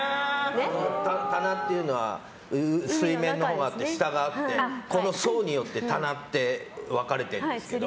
棚っていうのは水面のほうがあって下があって層によって棚って分かれてるんですけど。